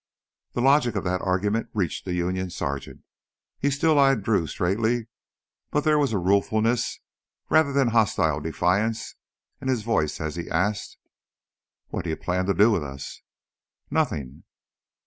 The logic of that argument reached the Union sergeant. He still eyed Drew straightly, but there was a ruefulness rather than hostile defiance in his voice as he asked: "What do you plan to do with us?" "Nothing."